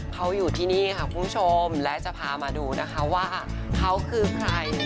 เขาอยู่ที่นี่ค่ะคุณผู้ชมและจะพามาดูนะคะว่าเขาคือใคร